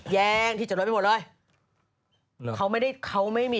แย้งที่จอดรถไปหมดเลย